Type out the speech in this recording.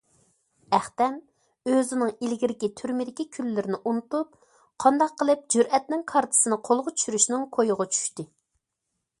ئەختەم ئۆزىنىڭ ئىلگىرىكى تۈرمىدىكى كۈنلىرىنى ئۇنتۇپ، قانداق قىلىپ جۈرئەتنىڭ كارتىسىنى قولغا چۈشۈرۈشنىڭ كويىغا چۈشتى.